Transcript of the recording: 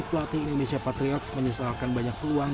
pelatih indonesia patriots menyesalkan banyak peluang